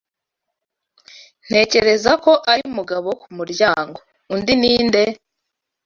"Ntekereza ko ari Mugabo ku muryango." "Undi ni nde?"